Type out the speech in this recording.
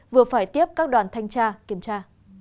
vừa phải tiếp các đoàn thanh tra kiểm tra